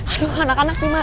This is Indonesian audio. aduh anak anak bima